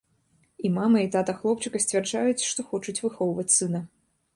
І мама, і тата хлопчыка сцвярджаюць, што хочуць выхоўваць сына.